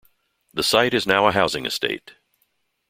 The site is now a housing estate.